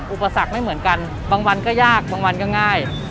อุปสรรคไม่เหมือนกันบางวันก็ยากบางวันก็ง่าย